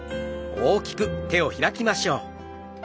大きく手を開きましょう。